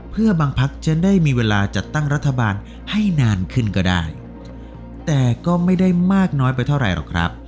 เพื่อบางพักจะได้มีเวลาจัดตั้งรัฐบาลให้นานขึ้นก็ได้แต่ก็ไม่ได้มากน้อยไปเท่าไหร่หรอกครับ